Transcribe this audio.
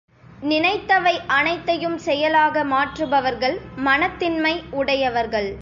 நினைத்தவை அனைத்தையும் செயலாக மாற்றுபவர்கள் மனத்திண்மை உடையவர்கள்.